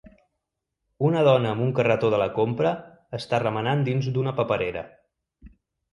una dona amb un carretó de la compra està remenant dins d'una paperera.